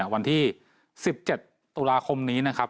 วันที่๑๗ตุลาคมนี้นะครับ